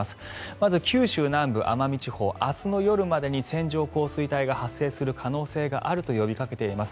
まず九州南部、奄美地方明日の夜までに線状降水帯が発生する可能性があると呼びかけています。